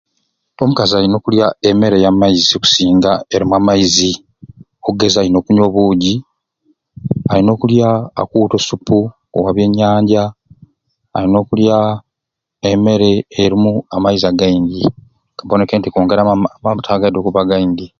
Omukazi olin'okukya emmere ya maizi okusinga erimu amaizi oggeza olina okunywa obuugi alina okulya akuwuuta o supu owa byenyanja alina okulya emmere erimu amaizi againgi aboneke nti akwongeramu ama amatai gadi okubba againgi.